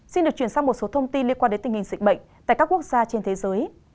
xin được chuyển sang một số thông tin liên quan đến tình hình dịch bệnh tại các quốc gia trên thế giới